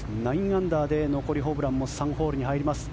９アンダーで残り、ホブランも３ホールに入ります。